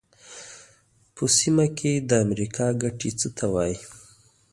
په سیمه کې د امریکا ګټې څه ته وایي.